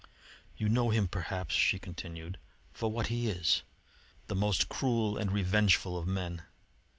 "You know him, perhaps," she continued, "for what he is: the most cruel and revengeful of men.